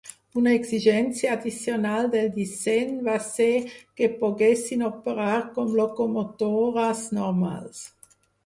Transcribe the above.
Una exigència addicional del disseny va ser que poguessin operar com locomotores normals.